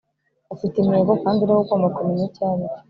ufite intego, kandi ni wowe ugomba kumenya icyo aricyo.